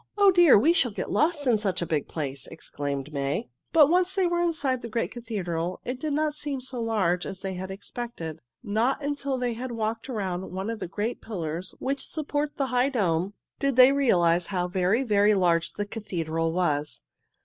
"Oh, dear! We shall get lost in such a big place!" exclaimed May. But when they were once inside the great cathedral, it did not seem so large as they had expected. Not until they had walked around one of the great pillars which support the high dome did they realize how very, very large the cathedral was.